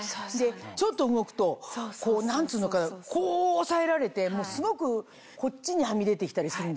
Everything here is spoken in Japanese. ちょっと動くと何つうのかなこう押さえられてすごくこっちにはみ出てきたりするんですよ。